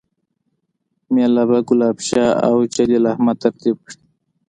میله به ګلاب شاه اوجلیل احمد ترتیب کړي